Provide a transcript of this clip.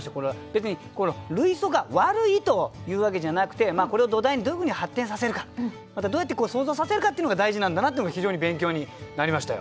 別に類想が悪いというわけじゃなくてこれを土台にどういうふうに発展させるかまたどうやって想像させるかっていうのが大事なんだなっていうのが非常に勉強になりましたよ。